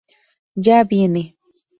Ya viene".